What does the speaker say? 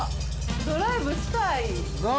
ドライブしたい。